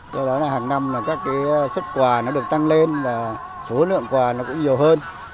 do đó là hàng năm các sức quà được tăng lên và số lượng quà cũng nhiều hơn